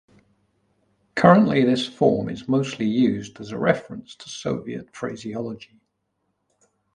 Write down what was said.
Currently this form is mostly used as a reference to Soviet phraseology.